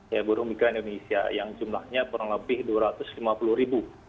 ya buruh migran indonesia yang jumlahnya kurang lebih dua ratus lima puluh ribu